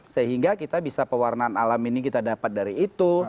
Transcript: sehingga kita bisa pewarnaan alam ini kita dapat dari itu